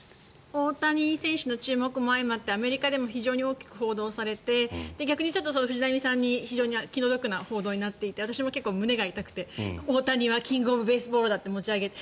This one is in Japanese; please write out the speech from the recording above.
大谷選手の注目も相まってアメリカでも非常に大きく報道されて逆に藤浪さんに非常に気の毒な報道になっていて私も結構、胸が痛くて大谷はキング・オブ・ベースボールだって持ち上げて。